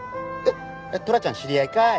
トラちゃん知り合いかーい！